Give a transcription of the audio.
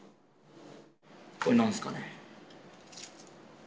これ、なんですかね。